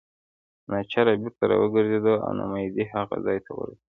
ناچاره بیرته راوګرځېدو او نا امیدۍ هغه ځای ته ورسېدو.